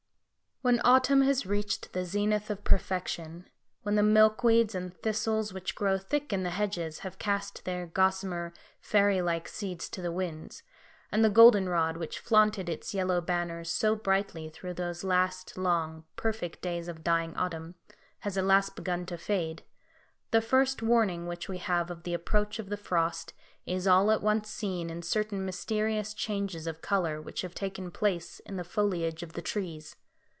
When autumn has reached the zenith of perfection, when the milkweeds and thistles which grow thick in the hedges have cast their gossamer, fairy like seeds to the winds, and the goldenrod which flaunted its yellow banners so brightly through those last long, perfect days of dying autumn, has at last begun to fade, the first warning which we have of the approach of the frost is all at once seen in certain mysterious changes of colour which have taken place in the foliage of the trees.